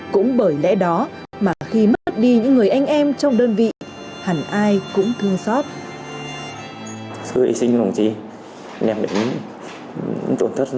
cũng bởi lẽ đó mà khi mất đi những người anh em trong đơn vị hẳn ai cũng thương xót